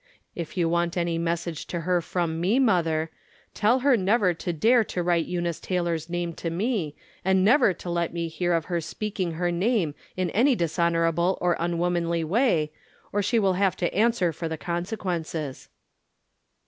If you want any message to her from me, mother, tell her never to dare to write Eunice Taylor's name to me, and never to let me hear of her speaking her name ia any dishonorable or unwomanly way, or she will have to answer for the consequences."